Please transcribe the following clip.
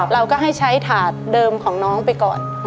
เราก็ให้ใช้ถาดเดิมของน้องไปก่อน